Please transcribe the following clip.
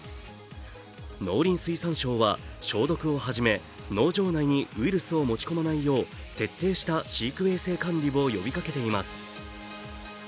農林水産省は消毒をはじめ、農場内にウイルスを持ち込まないよう徹底した飼育衛生管理を呼びかけています。